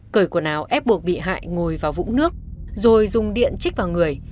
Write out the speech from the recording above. cởi quần áo ép buộc bị hại ngồi vào vũng nước rồi dùng điện chích vào người